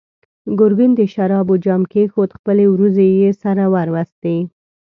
ګرګين د شرابو جام کېښود، خپلې وروځې يې سره وروستې.